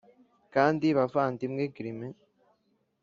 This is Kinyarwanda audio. kandi bavandimwe grimm.